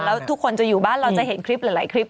แล้วทุกคนจะอยู่บ้านเราจะเห็นคลิปหลายคลิป